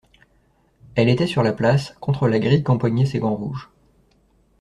Elle était sur la place, contre la grille qu'empoignaient ses gants rouges.